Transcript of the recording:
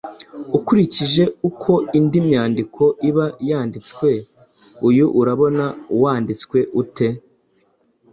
Ukurikije uko indi myandiko iba yanditswe uyu urabona wanditswe ute